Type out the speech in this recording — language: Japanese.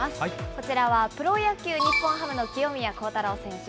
こちらはプロ野球、日本ハムの清宮幸太郎選手。